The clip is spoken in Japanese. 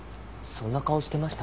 そんな顔してました？